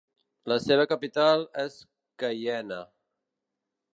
La seva capital és Caiena.